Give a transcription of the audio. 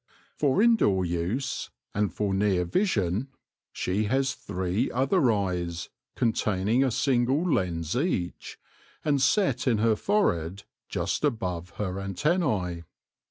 For indoor use, and for near vision, she has three other eyes, containing a single lens each, and set in her forehead just above her antennae.